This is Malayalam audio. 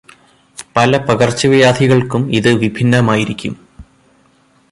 പല പകർച്ചവ്യാധികൾക്കും ഇത് വിഭിന്നമായിരിക്കും.